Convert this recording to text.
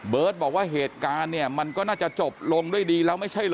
บอกว่าเหตุการณ์เนี่ยมันก็น่าจะจบลงด้วยดีแล้วไม่ใช่เหรอ